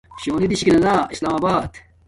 شونی دیشاکا نا اسلام آبات